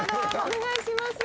お願いします。